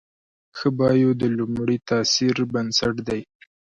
ښه بایو د لومړي تاثر بنسټ دی.